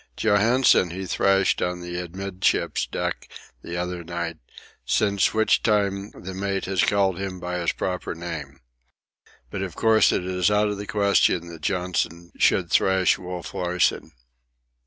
Johansen he thrashed on the amidships deck the other night, since which time the mate has called him by his proper name. But of course it is out of the question that Johnson should thrash Wolf Larsen.